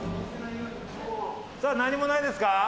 さあ何もないですか？